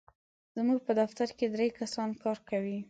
زموږ په دفتر کې درې کسان کار کوي.